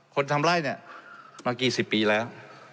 ทำไล่เนี่ยมากี่สิบปีแล้ว